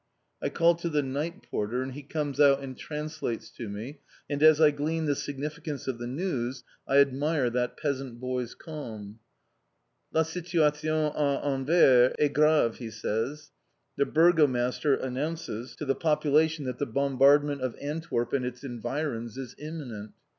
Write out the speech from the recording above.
I call to the night porter, and he comes out and translates to me, and as I glean the significance of the news I admire that peasant boy's calm. "La situation à Anvers est grave" he says. "The Burgomaster announces to the population that the bombardment of Antwerp and its environs is imminent.